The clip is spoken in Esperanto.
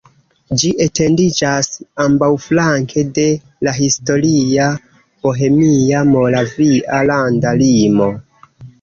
Ĝi etendiĝas ambaŭflanke de la historia bohemia-moravia landa limo.